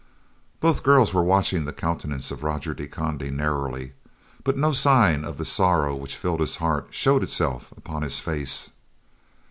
Both girls were watching the countenance of Roger de Conde narrowly, but no sign of the sorrow which filled his heart showed itself upon his face.